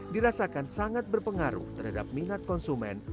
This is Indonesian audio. dirasakan sangat berpengaruh terhadap minat konsumen